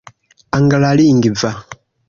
anglalingva